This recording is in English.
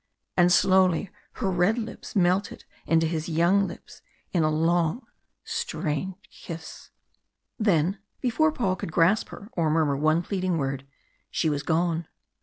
And slowly her red lips melted into his young lips in a long, strange kiss. Then, before Paul could grasp her, or murmur one pleading word, she was gone.